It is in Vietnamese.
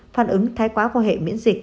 phản ứng thái quá khóa hệ miễn dịch